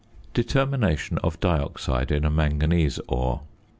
~Determination of Dioxide in a Manganese Ore.